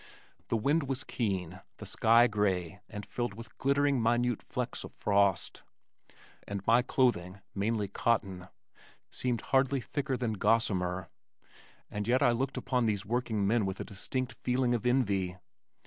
The wind was keen, the sky gray and filled with glittering minute flecks of frost, and my clothing (mainly cotton) seemed hardly thicker than gossamer, and yet I looked upon those working men with a distinct feeling of envy.